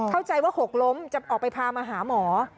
เข้าใจว่าหกล้มจะออกไปพามาหาหมอ